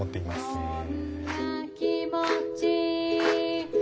へえ。